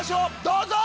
どうぞ！